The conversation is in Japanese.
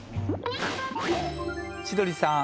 千鳥さん